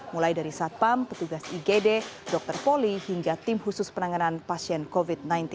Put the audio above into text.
mulai dari satpam petugas igd dokter voli hingga tim khusus penanganan pasien covid sembilan belas